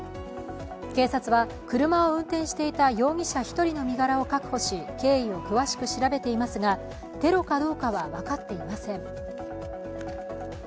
警察は車を運転していた容疑者１人の身柄を確保し経緯を詳しく調べていますがテロかどうかは分かっていません。